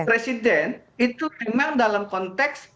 presiden itu memang dalam konteks